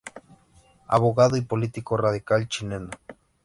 Abogado y político radical chileno.